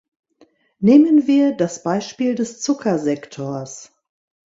Nehmen wir das Beispiel des Zuckersektors.